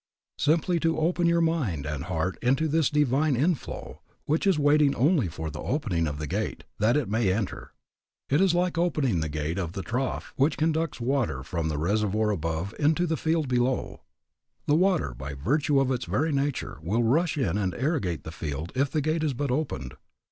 Simply to open your mind and heart to this divine inflow which is waiting only for the opening of the gate, that it may enter. It is like opening the gate of the trough which conducts the water from the reservoir above into the field below. The water, by virtue of its very nature, will rush in and irrigate the field if the gate is but opened.